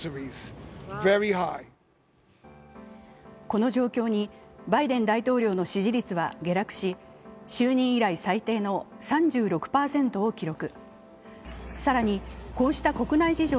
この状況にバイデン大統領の支持率は下落し就任以来最低の３６％を記録。